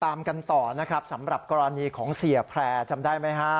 ตามกันต่อนะครับสำหรับกรณีของเสียแพร่จำได้ไหมฮะ